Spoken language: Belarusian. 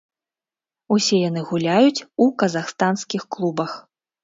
Усе яны гуляюць у казахстанскіх клубах.